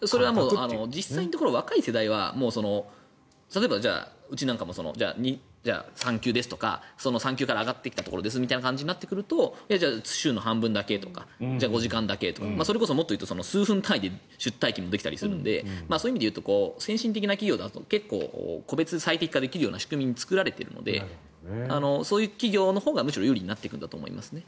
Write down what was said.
実際若い世代は例えば、うちなんかも産休ですとか産休から上がってきたところですとなると週の半分だけとか５時間だけとかそれこそもっと言うと数分単位で出退勤できたりするので先進的な企業だと個別最適化できる仕組みに作られているのでそういう企業のほうがむしろ有利になってくるんだと思いますね。